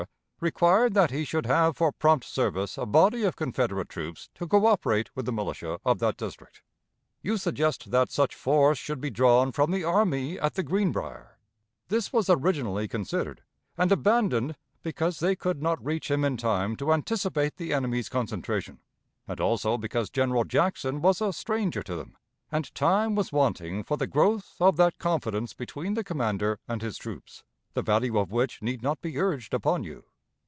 required that he should have for prompt service a body of Confederate troops to coöperate with the militia of that district. You suggest that such force should be drawn from the army at the Greenbrier; this was originally considered, and abandoned, because they could not reach him in time to anticipate the enemy's concentration, and also because General Jackson was a stranger to them, and time was wanting for the growth of that confidence between the commander and his troops, the value of which need not be urged upon you.